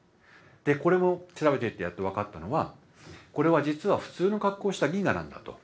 これも調べてみてやっと分かったのはこれは実は普通の格好した銀河なんだと。